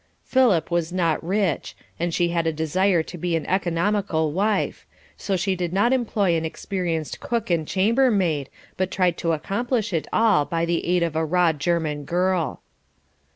Philip was not rich, and she had a desire to be an economical wife, so she did not employ an experienced cook and chambermaid, but tried to accomplish it all by the aid of a raw German girl.